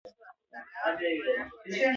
بغیر له بدې ورځې بله نتېجه نلري.